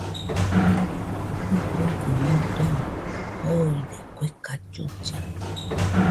ɨfɨgɨ muidomo joide kue cachucha